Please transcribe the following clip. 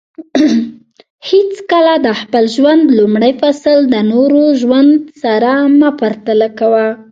حیڅکله د خپل ژوند لومړی فصل د نورو د ژوند سره مه پرتله کوه